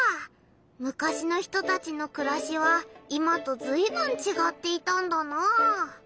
むかしの人たちのくらしは今とずいぶんちがっていたんだなあ。